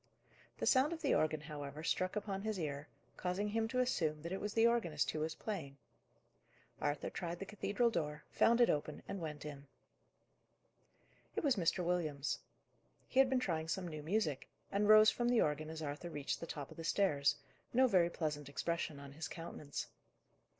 The sound of the organ, however, struck upon his ear, causing him to assume that it was the organist who was playing. Arthur tried the cathedral door, found it open, and went it. It was Mr. Williams. He had been trying some new music, and rose from the organ as Arthur reached the top of the stairs, no very pleasant expression on his countenance.